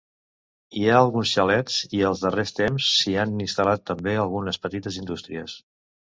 Hi ha alguns xalets i als darrers temps s'hi han instal·lat també algunes petites indústries.